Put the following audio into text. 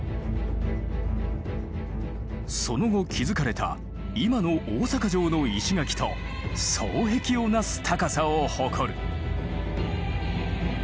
その後築かれた今の大坂城の石垣と双璧を成す高さを誇る。